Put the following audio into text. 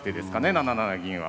７七銀は。